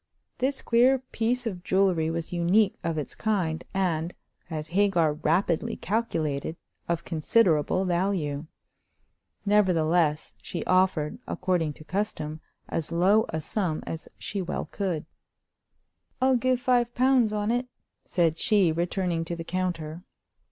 This queer piece of jewelry was unique of its kind, and, as Hagar rapidly calculated, of considerable value. Nevertheless, she offered, according to custom, as low a sum as she well could. "I'll give five pounds on it," said she, returning to the counter.